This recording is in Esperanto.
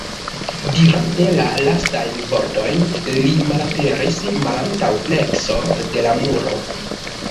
Dirante la lastajn vortojn, li malaperis malantaŭ flekso de la muro.